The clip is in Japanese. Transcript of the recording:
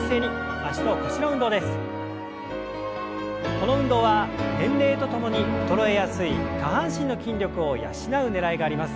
この運動は年齢とともに衰えやすい下半身の筋力を養うねらいがあります。